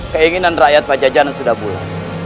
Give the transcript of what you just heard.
keinginan rakyat pajajaran sudah bulat